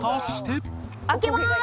開けまーす。